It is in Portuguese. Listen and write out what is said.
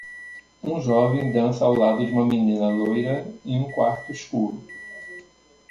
Um jovem dança ao lado de uma menina loira em um quarto escuro.